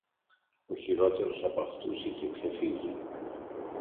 Ο χειρότερος απ' αυτούς είχε ξεφύγει